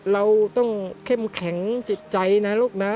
เราต้องเข้มแข็งจิตใจนะลูกนะ